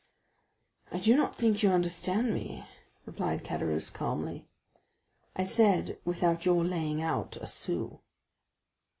"I do not think you understand me," replied Caderousse, calmly; "I said without your laying out a sou."